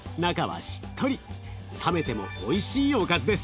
冷めてもおいしいおかずです。